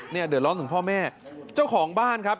เนี่ยเดี๋ยวร้องถึงพ่อแม่เจ้าของบ้านครับ